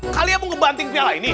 kalian mau ngebanting piala ini